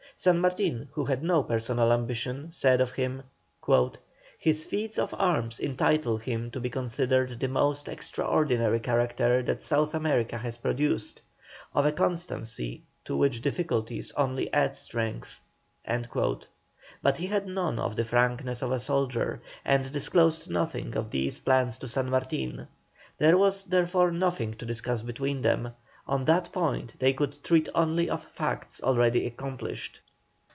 San Martin, who had no personal ambition, said of him: "His feats of arms entitle him to be considered the most extraordinary character that South America has produced; of a constancy to which difficulties only add strength." But he had none of the frankness of a soldier, and disclosed nothing of these plans to San Martin; there was, therefore, nothing to discuss between them on that point they could treat only of facts already accomplished.